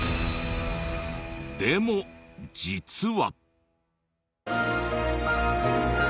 でも実は。